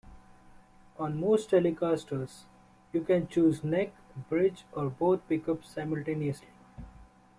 On most Telecasters, you can choose neck, bridge, or both pickups simultaneously.